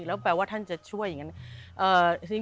แล้วแปลว่าท่านจะช่วยอย่างนั้น